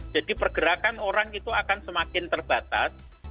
jadi pergerakan orang itu akan semakin terbatas